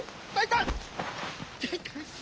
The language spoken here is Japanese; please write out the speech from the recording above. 痛い。